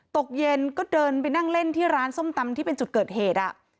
ตกเย็นก็เดินไปนั่งเล่นที่ร้านส้มตำที่เป็นจุดเกิดเหตุ